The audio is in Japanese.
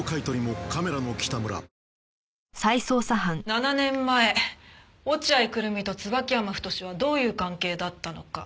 ７年前落合久瑠実と椿山太はどういう関係だったのか？